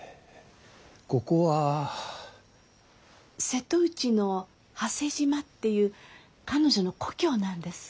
瀬戸内の波瀬島っていう彼女の故郷なんです。